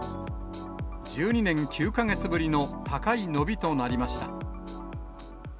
１２年９か月ぶりの高い伸びとなりました。